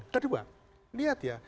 kedua lihat ya